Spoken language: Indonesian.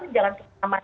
keluar jangan kemana mana